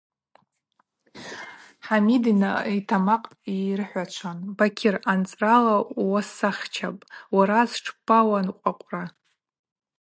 Хӏамид йтамакъ йрыхӏвачван: – Бакьыр, анцӏрала ууасахчапӏ, уара сшпауанкъвакъвра?